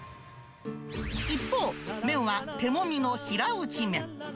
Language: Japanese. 一方、麺は手もみの平打ち麺。